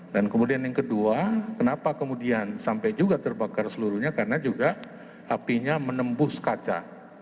dan kemudian yang kedua kenapa kemudian sampai juga terbakar seluruhnya karena juga apinya menembus kaca